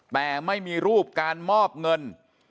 แต่ไม่มีรูปการมอบเงิน